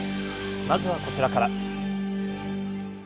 まずは、こちらから。